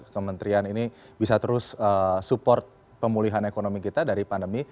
kementerian ini bisa terus support pemulihan ekonomi kita dari pandemi